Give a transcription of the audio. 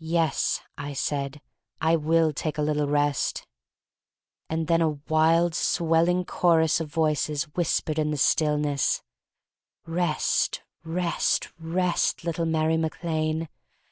"Yes," I said, "I will take a little rest." And then a wild, swelling chorus of voices whispered in the stillness: "Rest, rest, rest, little Mary Mac Lane.